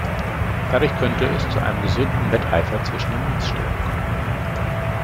Dadurch könnte es zu einem gesunden Wetteifer zwischen den Dienststellen kommen.